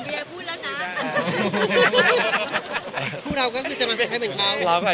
เมียพูดนะนะ